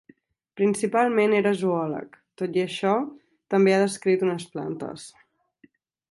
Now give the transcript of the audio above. Principalment era zoòleg, tot i això, també ha descrit unes plantes.